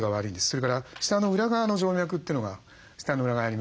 それから舌の裏側の静脈というのが舌の裏側にありますよね。